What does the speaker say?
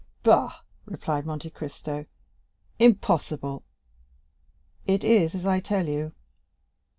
"Bah," replied Monte Cristo, "impossible!" "It is as I tell you."